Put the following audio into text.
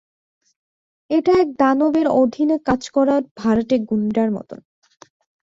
এটা এক দানবের অধীনে কাজ করা ভাড়াটে গুণ্ডার মতো।